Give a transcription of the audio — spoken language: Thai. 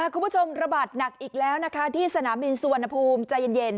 คุณผู้ชมระบาดหนักอีกแล้วนะคะที่สนามบินสุวรรณภูมิใจเย็น